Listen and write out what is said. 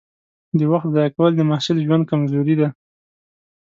د وخت ضایع کول د محصل ژوند کمزوري ده.